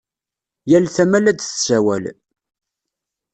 Yal tama la d-tessawal.